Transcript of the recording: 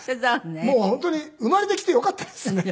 もう本当に生まれてきてよかったですね。